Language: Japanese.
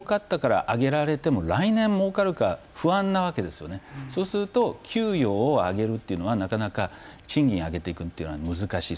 経営者というのは今年はもうかったから上げられたけど来年、もうかるか不安なわけですねそうすると給与を上げるというのはなかなか賃金上げていくというのは難しい。